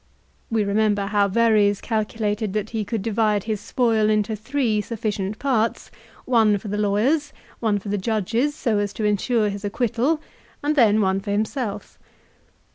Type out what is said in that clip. We remember how Verres calculated that he could divide his spoil into three sufficient parts, one for the lawyers, one for the judges so as to insure his acquittal, and then one for himself.